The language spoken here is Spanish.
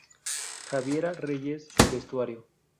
Javiera Reyes: Vestuario.